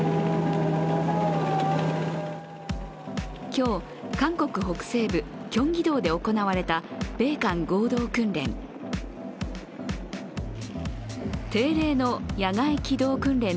今日、韓国北西部キョンギドで行われた米韓合同訓練。